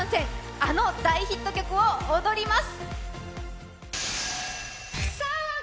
あの大ヒット曲を踊ります。